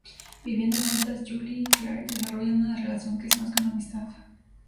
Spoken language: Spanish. Viviendo juntas, Julie y Claire desarrollan una relación que es más que una amistad.